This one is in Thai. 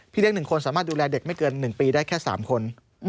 เลี้ยง๑คนสามารถดูแลเด็กไม่เกิน๑ปีได้แค่๓คน